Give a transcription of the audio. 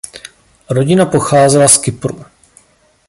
Rodina pocházela z Kypru.